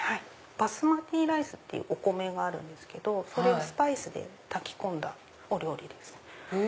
バスマティライスっていうお米があるんですけどそれをスパイスで炊き込んだお料理です。